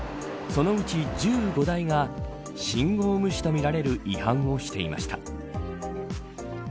そのうち１５台が信号無視とみられる違反をしていました。